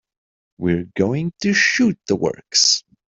We're going to shoot the works.